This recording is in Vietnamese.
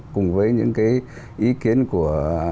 cùng với những cái ý kiến của